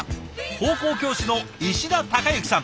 高校教師の石田孝之さん。